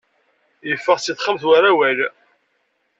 Yeffeɣ seg texxamt war awal.